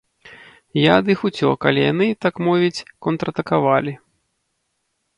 Я ад іх уцёк, але яны, так мовіць, контратакавалі.